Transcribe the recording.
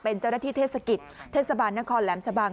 เป็นเจ้าหน้าที่เทศกิจเทศบาลนครแหลมชะบัง